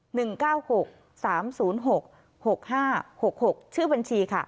หนึ่งเก้าหกสามศูนย์หกหกห้าหกหกชื่อบัญชีค่ะ